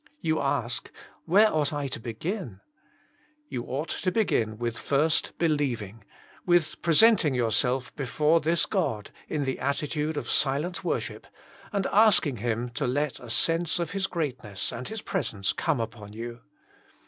You ask, ''Where ought I to begin ?" You ought to begin with first believing ; with presenting your self before this God in the attitude of silent worship, and asking Him to let a sense of His greatness and His pres ence come upon you.